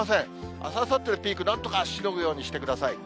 あす、あさってのピーク、なんとかしのぐようにしてください。